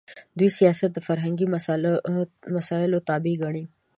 دوی سیاست د فرهنګي مسایلو تابع ګڼي.